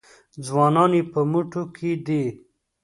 ځوانان یې په موټي کې دي.